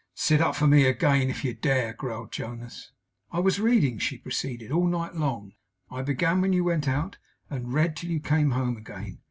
'Sit up for me again, if you dare!' growled Jonas. 'I was reading,' she proceeded, 'all night long. I began when you went out, and read till you came home again.